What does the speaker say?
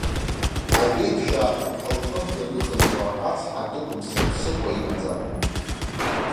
Ажәеиԥшьаа рҭыԥҳа лҟынтә даныхынҳәуа ацҳа дықәымсыр ԥсыхәа имаӡам.